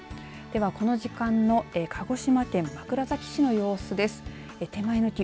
ではこの時間の鹿児島県の枕崎の様子です。